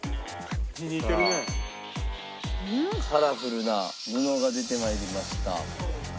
カラフルな布が出てまいりました。